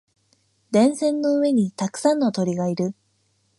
電線の上にたくさんの鳥がいる。